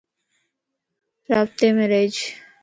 رابطيم رھيج